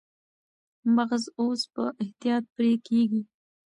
مغز اوس په احتیاط پرې کېږي.